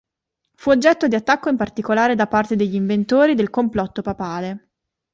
Fu oggetto di attacco in particolare da parte degli inventori del complotto papale.